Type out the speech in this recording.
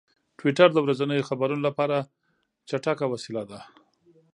ټویټر د ورځنیو خبرونو لپاره چټک وسیله ده.